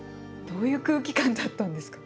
どういう空気感だったんですか。